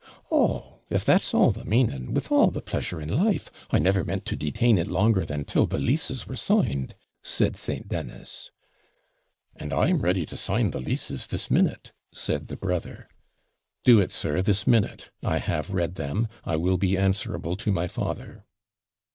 'Oh, if that's all the meaning, with all the pleasure in life. I never meant to detain it longer than till the leases were signed,' said St. Dennis. 'And I'm ready to sign the leases this minute,' said the brother. 'Do it, sir, this minute; I have read them; I will be answerable to my father.'